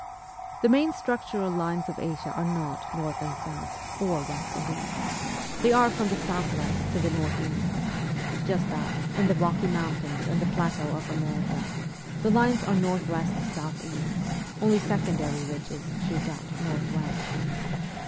The main structural lines of Asia are not north and south, or west and east ; they are from the south west to the north east just as, in the Rocky Mountains and the plateaux of America, the lines are north west to south east ; only secondary ridges shoot out north west.